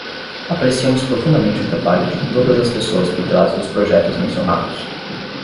Apreciamos profundamente o trabalho de todas as pessoas por trás dos projetos mencionados.